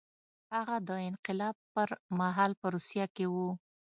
هغه د انقلاب پر مهال په روسیه کې و